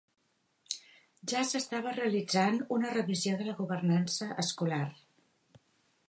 Ja s'estava realitzant una revisió de la governança escolar.